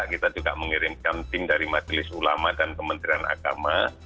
kita juga mengirimkan tim dari majelis ulama dan kementerian agama